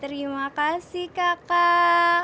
terima kasih kakak